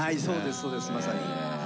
そうですまさに。